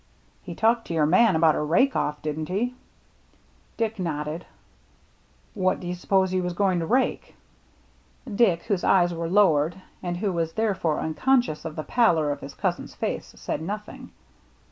" He talked to your man about a rake oflF, didn't he ?" Dick nodded. "What do you suppose he was going to rake?" Dick, whose eyes were lowered, and who BURNT COVE 143 was therefore unconscious of the pallor of his cousin's face, said nothing.